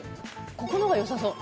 ここのほうがよさそう。